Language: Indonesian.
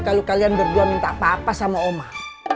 kalo kalian berdua minta apa apa sama omah